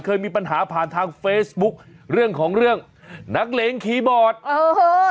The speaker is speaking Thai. เคยมีปัญหาผ่านทางเฟซบุ๊คเรื่องของเรื่องนักเลงคีย์บอร์ดเออ